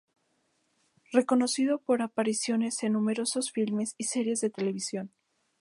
Reconocido por apariciones en numerosos filmes y series de televisión.